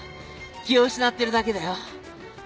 気を失ってるだけだよ。